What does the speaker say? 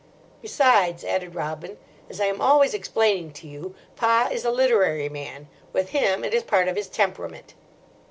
"Besides," added Robin, "as I am always explaining to you, Pa is a literary man. With him it is part of his temperament."